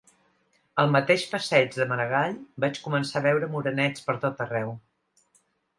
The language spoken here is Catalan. Al mateix passeig de Maragall vaig començar a veure morenets pertot arreu.